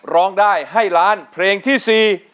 ร้องได้ให้ล้านเพลงที่๔